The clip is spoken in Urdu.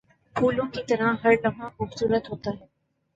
پھولوں کی طرح ہر لمحہ خوبصورت ہوتا ہے۔